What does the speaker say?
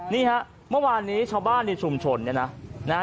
นี่ฮะเมื่อวานนี้ชาวบ้านในชุมชนเนี่ยนะนะฮะ